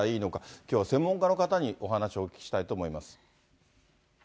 きょうは専門家の方にお話をお聞きしたいと思います。